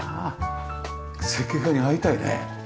設計家に会いたいね。